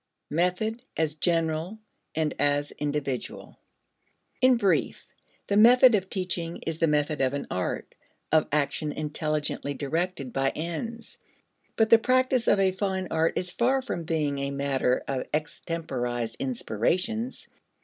Method as General and as Individual. In brief, the method of teaching is the method of an art, of action intelligently directed by ends. But the practice of a fine art is far from being a matter of extemporized inspirations.